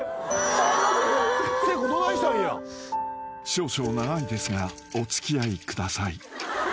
［少々長いですがお付き合いください］